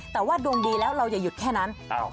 แต่ว่าดวงดีแล้วเราอย่าหยุดแค่นั้น